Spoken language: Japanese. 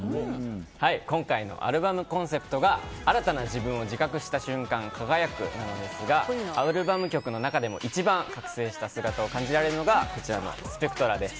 今回のアルバムコンセプトが新たな自分を自覚した瞬間輝くなんですがアルバム曲の中でも一番覚醒した姿を感じられるのがこちらの「ＳＰＥＣＴＲＡ」です。